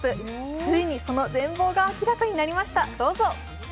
ついにその全貌が明らかになりました。